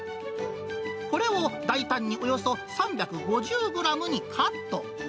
これを大胆におよそ３５０グラムにカット。